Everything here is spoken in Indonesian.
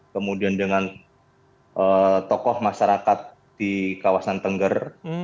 kemudian dengan tokoh masyarakat di kawasan tengger